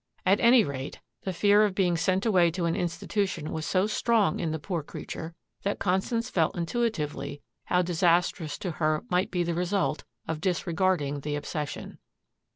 At any rate, the fear of being sent away to an institution was so strong in the poor creature that Constance felt intuitively how disastrous to her might be the result of disregarding the obsession.